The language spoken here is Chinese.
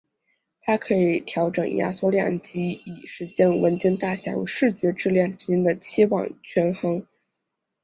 它可以调整压缩量级以实现文件大小与视觉质量之间的期望与权衡。